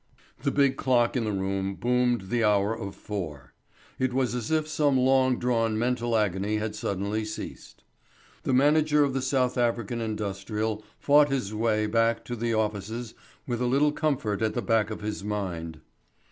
The big clock in the room boomed the hour of four. It was as if some long drawn mental agony had suddenly ceased. The manager of the South African Industrial fought his way back to the offices with a little comfort at the back of his mind.